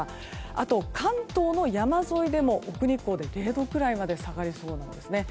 あと、関東の山沿いでも奥日光で０度ぐらいまで下がりそうなんですね。